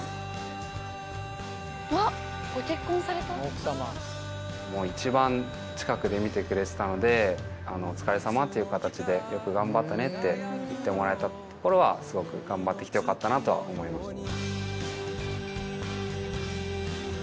奥様一番近くで見てくれてたので「お疲れさま」っていう形で「よく頑張ったね」って言ってもらえたところはすごく頑張ってきてよかったなとは思いました